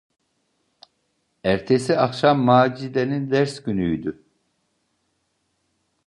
Ertesi akşam Macide’nin ders günüydü.